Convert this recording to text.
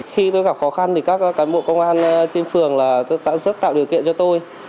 khi tôi gặp khó khăn thì các cán bộ công an trên phường đã rất tạo điều kiện cho tôi